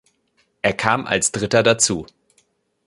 Er kam als Dritter dazu.